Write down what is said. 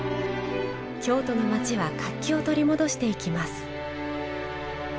京都の街は活気を取り戻していきます。